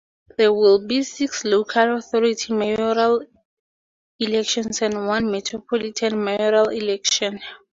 There will be six local authority mayoral elections and one metropolitan mayoral election.